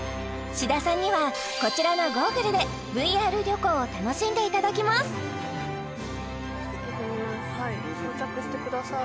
志田さんにはこちらのゴーグルでＶＲ旅行を楽しんでいただきます装着してください